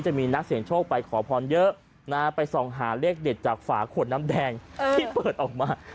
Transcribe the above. จะมีนักเสียงโชคไปขอพรเยอะไปส่องหาเลขเด็ดจากฝาขวดน้ำแดงที่เปิดออกมา